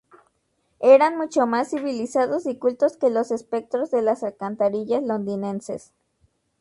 Eran mucho más civilizados y cultos que los espectros de las alcantarillas londinenses.